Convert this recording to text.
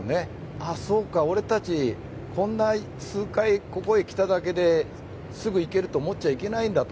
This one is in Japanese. ああそうか俺たち、こんな数回ここへ来ただけですぐ行けると思っちゃいけないんだと。